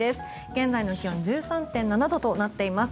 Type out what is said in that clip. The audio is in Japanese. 現在の気温１３．７度となっています。